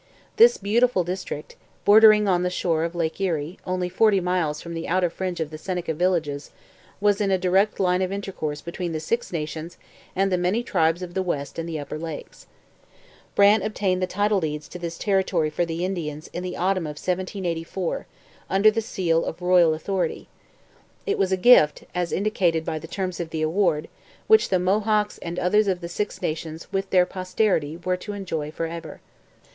This beautiful district, bordering on the shore of Lake Erie, only forty miles from the outer fringe of the Seneca villages, was in a direct line of intercourse between the Six Nations and the many tribes of the west and the upper lakes. Brant obtained the title deeds to this territory for the Indians in the autumn of 1784, under the seal of royal authority. It was a gift, as indicated by the terms of the award, 'which the Mohawks and others of the Six Nations... with their posterity,' were to enjoy for ever.